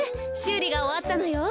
うりがおわったのよ。